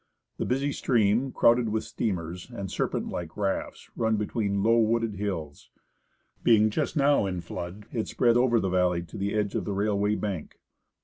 The busy stream, crowded with steamers . and serpent like rafts, runs between low wooded hills. Being just now in flood, it spread over the valley to the edge of the railway bank.